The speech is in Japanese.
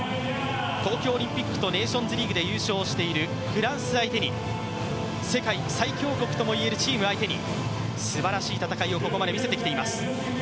東京オリンピックとネーションズリーグで優勝しているフランスを相手に世界最強国とも言えるチームを相手にすばらしい戦いをここまで見せてきています。